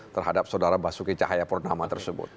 terhadap saudara basuki cahayapurnama tersebut